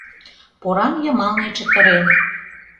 Поран йымалне чытырен.